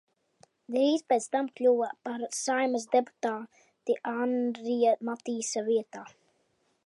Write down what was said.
Drīz pēc tam kļuva par Saeimas deputāti Anrija Matīsa vietā.